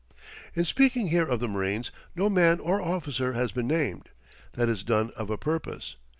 In speaking here of the marines, no man or officer has been named. That is done of a purpose.